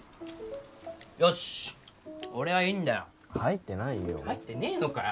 よし俺はいいんだよ入ってないよ入ってねえのかよ